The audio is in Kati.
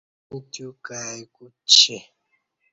انی تیو کائی کوچی